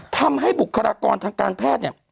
ทำให้บุคลากรทางการแพทย์